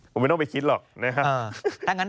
ผมไม่ต้องไปคิดหรอกนะครับ